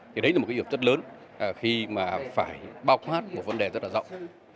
thì đấy là một cái hiệu chất lớn khi mà phải bao khoát một vấn đề rất là rộng